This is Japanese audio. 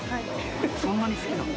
そんなに好きなの？